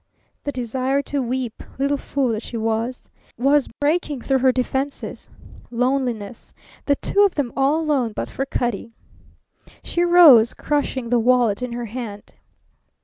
The desire to weep, little fool that she was! was breaking through her defences. Loneliness. The two of them all alone but for Cutty. She rose, crushing the wallet in her hand.